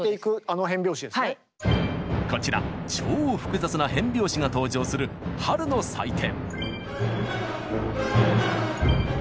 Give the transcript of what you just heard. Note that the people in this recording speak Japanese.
こちら超複雑な変拍子が登場する「春の祭典」。